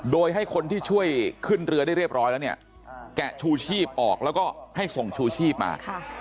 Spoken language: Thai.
โดยให้คนที่ช่วยขึ้นเรือได้เรียบร้อยแล้วเนี่ยแกะชูชีพออกแล้วก็ให้ส่งชูชีพมา